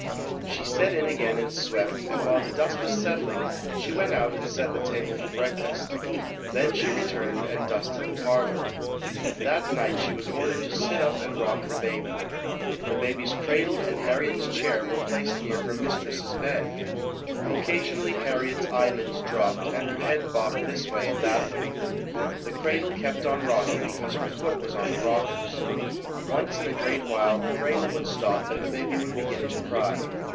She set in again and swept, and while the dust was settling, she went out and set the table for breakfast. Then she returned and dusted the parlor. That night she was ordered to sit up and rock the baby. The baby's cradle and Harriet's chair were placed near her mistress's bed. Occasionally Harriet's eyelids dropped and her head bobbed this way and that way. The cradle kept on rock ing because her foot was on the rockers. Once in a great while, the cradle would stop and the baby would begin to cry.